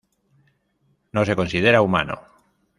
No se considera humano.